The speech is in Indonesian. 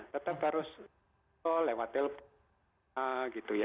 tetap harus lewat telepon